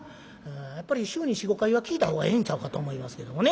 やっぱり週に４５回は聴いた方がええんちゃうかと思いますけどもね。